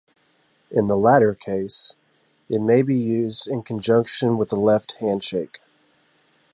In the latter case, it may be used in conjunction with the left handshake.